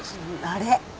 あれ？